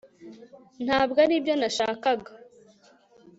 ntabwo aribyo nashakaga